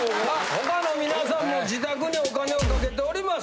・他の皆さんも自宅にお金をかけております。